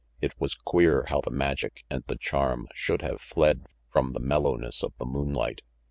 It was queer how the magic and the charm should have fled from the 316 RANGY PETE mellowness of the moonlight.